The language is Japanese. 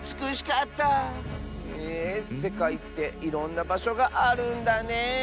へえせかいっていろんなばしょがあるんだね！